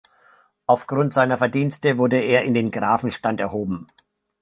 Aufgrund seiner Verdienste wurde er in den Grafenstand erhoben.